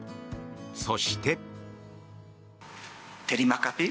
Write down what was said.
そして。